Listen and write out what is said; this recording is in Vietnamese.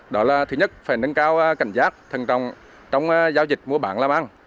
đó là thứ nhất phải nâng cao cảnh giác thân trọng trong giao dịch mua bán làm ăn